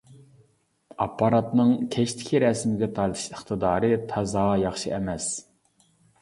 ئاپپاراتىنىڭ كەچتىكى رەسىمگە تارتىش ئىقتىدارى تازا ياخشى ئەمەس.